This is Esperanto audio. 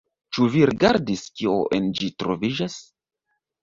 Ĉu vi rigardis, kio en ĝi troviĝas?